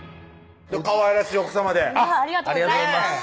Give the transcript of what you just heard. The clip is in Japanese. かわいらしい奥さまでありがとうございます